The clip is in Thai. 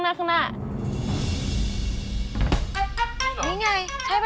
โหนี่ไงชอเอมจับแล้วจับแล้ว